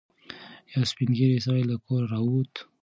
یو سپین ږیری سړی له کوره راووت.